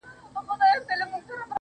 د سيند پر غاړه، سندريزه اروا وچړپېدل.